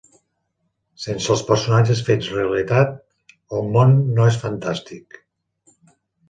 Sense els personatges fets realitat, el món no és fantàstic.